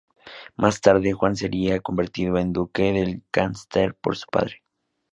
Más tarde, Juan sería convertido en Duque de Lancaster por su padre.